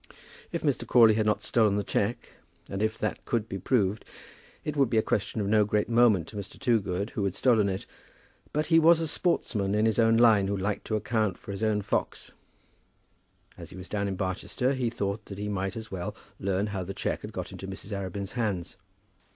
If Mr. Crawley had not stolen the cheque, and if that could be proved, it would be a question of no great moment to Mr. Toogood who had stolen it. But he was a sportsman in his own line who liked to account for his own fox. As he was down at Barchester, he thought that he might as well learn how the cheque had got into Mrs. Arabin's hands.